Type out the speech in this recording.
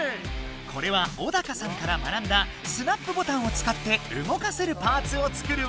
これはオダカさんから学んだスナップボタンを使って動かせるパーツを作るわざだ。